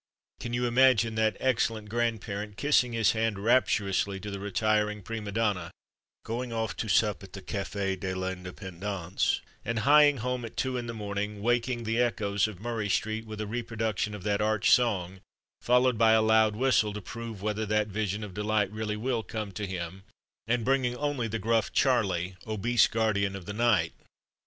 Can you imagine that excellent grandparent kissing his hand rapturously to the retiring prima donna, going off to sup at the Café de l'Independence, and hieing home at two in the morning waking the echoes of Murray Street with a reproduction of that arch song, followed by a loud whistle to prove whether that vision of delight really will come to him, and bringing only the gruff Charley, obese guardian of the night?